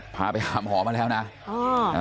พาไปขามห่อมาแล้วนะอ่า